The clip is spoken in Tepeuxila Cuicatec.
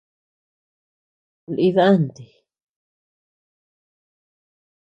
Lï danti.